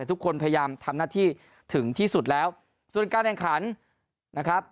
ทุกคนพยายามทำหน้าที่ถึงที่สุดแล้วส่วนการแข่งขันนะครับ